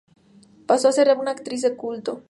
Pasó a ser una actriz de culto.